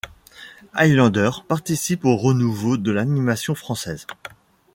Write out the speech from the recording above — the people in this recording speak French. Highlander participe au renouveau de l'animation française.